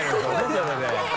それで。